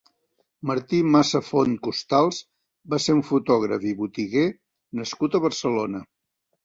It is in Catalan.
Martí Massafont Costals va ser un fotògraf i botiguer nascut a Barcelona.